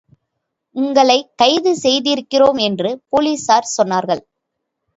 உங்களைக் கைது செய்திருக்கிறோம் என்று போலீஸார் சொன்னார்கள்.